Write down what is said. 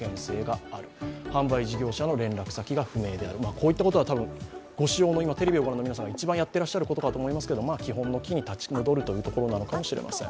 こういったことは多分、ご使用の今、テレビをご覧の皆さんが一番やっていらっしゃることかと思いますけれども、基本のキに立ち戻るというところかもしれません。